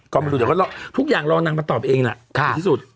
ก็ไม่รู้เดี๋ยวก็รอทุกอย่างรอนางมาตอบเองล่ะดีที่สุด